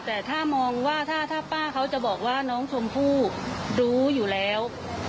แต่ถ้ามองว่าถ้าป้าเขาจะบอกว่าน้องชมพู่รู้อยู่แล้ว